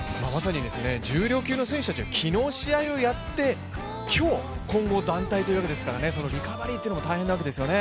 重量級の選手たちはまさに昨日試合をやって、今日、混合団体ということですからそのリカバリーというのも大変なわけですよね。